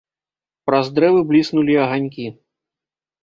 Праз дрэвы бліснулі аганькі.